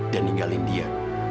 dan ninggalin dia